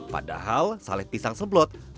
pada hal sale pisang seblot berpotensi memperkenalkan